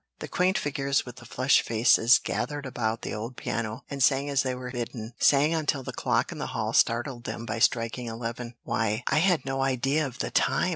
The quaint figures with the flushed young faces gathered about the old piano, and sang as they were bidden, sang until the clock in the hall startled them by striking eleven. "Why, I had no idea of the time!"